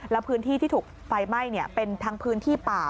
แล้วพื้นที่ที่ถูกไฟไหม้เป็นทั้งพื้นที่ป่า